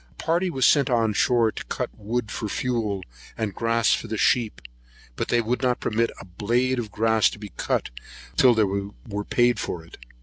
A party was sent on shore to cut wood for fuel, and grass for the sheep; but they would not permit a blade of grass to be cut till they were paid for it.